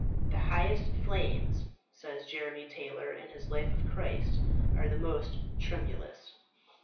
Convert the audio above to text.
"The highest flames," says Jeremy Taylor in his Life of Christ, "are the most tremulous."